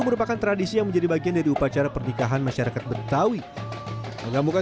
merupakan tradisi yang menjadi bagian dari upacara pernikahan masyarakat betawi mengamukkan